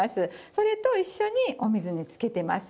それと一緒にお水につけてます。